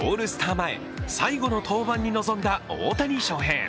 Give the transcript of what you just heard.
前、最後の登板に臨んだ大谷翔平。